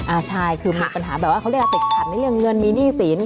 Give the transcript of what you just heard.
อ่าใช่คือมีปัญหาแบบว่าเขาเรียกว่าติดขัดในเรื่องเงินมีหนี้สิน